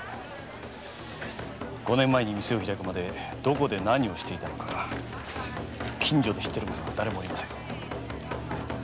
五年前に店を開くまでどこで何をしていたのか近所で知っている者はだれもおりません。